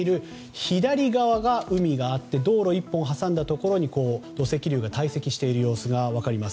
海があって道路１本を挟んだところに土石流が堆積している様子が分かります。